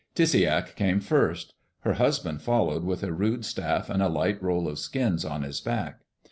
Tisseyak came first. Her husband followed with a rude staff and a light roll of skins on his back.